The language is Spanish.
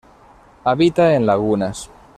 Habita en lagunas.